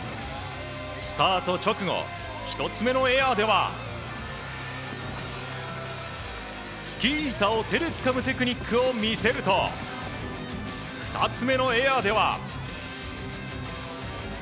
スタート直後１つ目のエアではスキー板を手でつかむテクニックを見せると２つ目のエアでは。